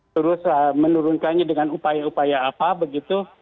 terus menurunkannya dengan upaya upaya apa begitu